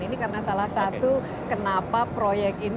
ini karena salah satu kenapa proyek ini